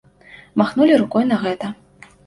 Махнулі рукой на гэта.